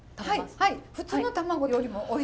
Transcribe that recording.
はい！